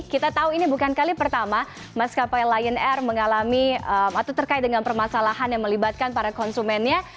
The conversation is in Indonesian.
kita tahu ini bukan kali pertama maskapai lion air mengalami atau terkait dengan permasalahan yang melibatkan para konsumennya